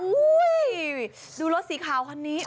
ดูรถสีขาวคันนี้